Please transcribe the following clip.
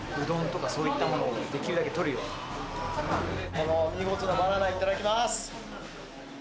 この見事なバナナいただきます。